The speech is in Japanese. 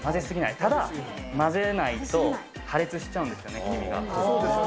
ただ、混ぜないと破裂しちゃうんそうですよね。